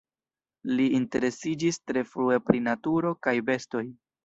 Li interesiĝis tre frue pri naturo kaj bestoj.